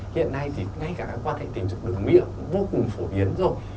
hiện nay thì ngay cả các quan hệ tình dục đường miệng vô cùng phổ biến rồi